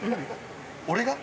俺が？